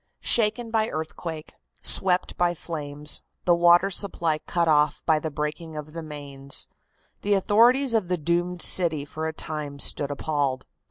Shaken by earthquake, swept by flames, the water supply cut off by the breaking of the mains, the authorities of the doomed city for a time stood appalled.